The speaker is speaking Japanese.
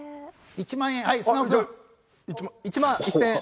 １万１０００円。